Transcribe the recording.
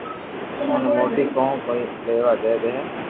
اوني موئي ڪون ڪوئي آوا ديدو ھي